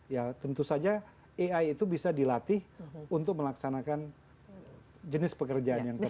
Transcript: ya tentu saja ai itu bisa dilatih untuk melaksanakan jenis pekerjaan yang terbaik